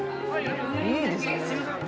いいですね。